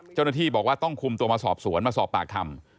เจ้าหน้าที่บอกว่าต้องคุมตัวมาสอบสวนมาสอบปากคำ